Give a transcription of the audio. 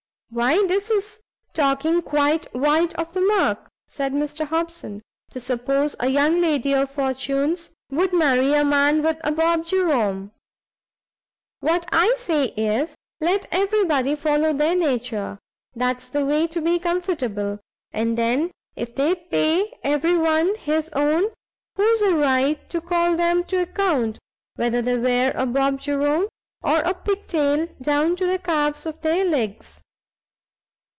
"Why this is talking quite wide of the mark," said Mr Hobson, "to suppose a young lady of fortunes would marry a man with a bob jerom. What I say is, let every body follow their nature; that's the way to be comfortable; and then if they pay every one his own, who's a right to call 'em to account, whether they wear a bob jerom, or a pig tail down to the calves of their legs?"